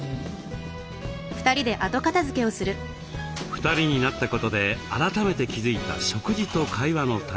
２人になったことで改めて気付いた食事と会話の大切さ。